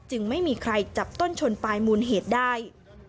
ไม่มีใครจับต้นชนปลายมูลเหตุได้